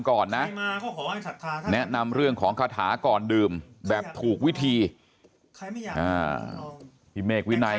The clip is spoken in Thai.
ก่อนนะแนะนำเรื่องของคาถาก่อนดื่มแบบถูกวิธีพี่เมฆวินัย